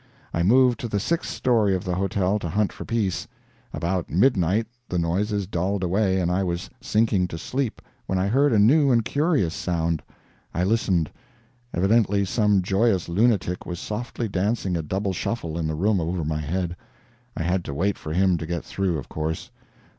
I moved to the sixth story of the hotel to hunt for peace. About midnight the noises dulled away, and I was sinking to sleep, when I heard a new and curious sound; I listened: evidently some joyous lunatic was softly dancing a "double shuffle" in the room over my head. I had to wait for him to get through, of course.